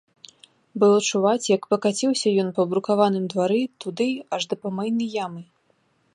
Было чуваць, як пакаціўся ён па брукаваным двары, туды, аж да памыйнай ямы.